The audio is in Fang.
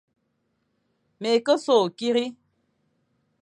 Me ke so akiri,